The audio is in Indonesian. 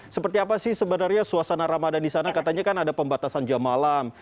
seperti apa sih sebenarnya suasana ramadan di sana katanya kan ada pembatasan jam malam